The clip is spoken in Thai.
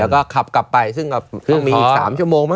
แล้วก็ขับกลับไปซึ่งก็ต้องมีอีก๓ชั่วโมงมั